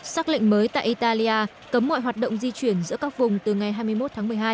xác lệnh mới tại italia cấm mọi hoạt động di chuyển giữa các vùng từ ngày hai mươi một tháng một mươi hai